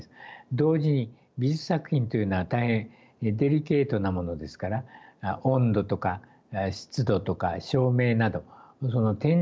同時に美術作品というのは大変デリケートなものですから温度とか湿度とか照明などその展示環境をきちんと整える。